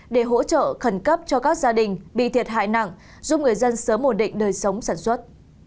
để hỗ trợ khẩn cấp cho các gia đình bị thiệt hại nặng giúp người dân sớm ổn định đời sống sản xuất